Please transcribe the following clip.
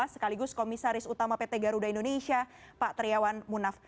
sekaligus komisaris utama pt garuda indonesia pak triawan munaf